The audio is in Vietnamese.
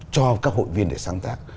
cho các hội viên để sáng tác